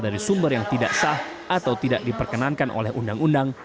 dari sumber yang tidak sah atau tidak diperkenankan oleh undang undang